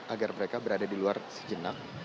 agar mereka berada di luar sejenak